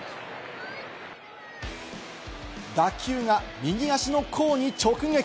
打球が右足の甲に直撃。